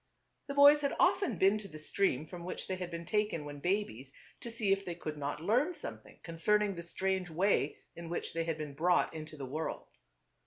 The boys had often been to the stream from which they had been taken when babies, to see if they could not learn something concerning the strange way in which they had been brought into the world.